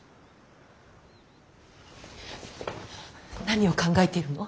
何を考えているの。